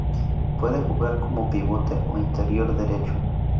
Puede jugar como Pivote o Interior Derecho.